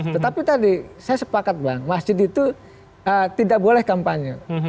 tetapi tadi saya sepakat bang masjid itu tidak boleh kampanye